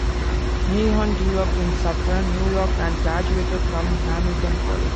Meehan grew up in Suffern, New York, and graduated from Hamilton College.